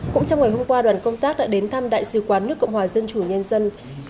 cũng trong ngày hôm qua đoàn công tác đã đến thăm đại sứ quán nước cộng hòa dân chủ nhân dân